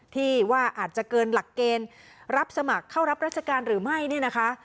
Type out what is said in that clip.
ที่ว่าอาจจะเกินหลักเกณฑ์รับสมัครเข้ารับราชการหรือไม่เนี่ยนะคะ